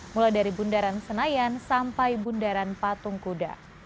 mulai dari bundaran senayan sampai bundaran patung kuda